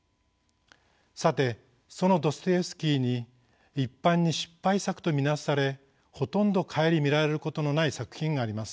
さてそのドストエフスキーに一般に失敗作と見なされほとんど顧みられることのない作品があります。